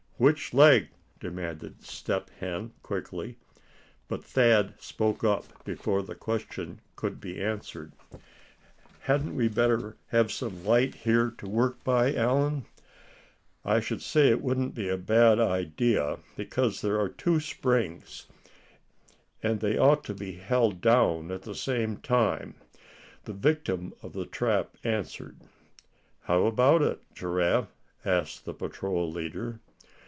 "Which leg?" demanded Step Hen, quickly; but Thad spoke up before the question could be answered. "Hadn't we better have some light here to work by, Allan?" he asked. "I should say it wouldn't be a bad idea, because there are two springs, and they ought to be held down at the same time," the victim of the trap answered. "How about it, Giraffe?" asked the patrol leader.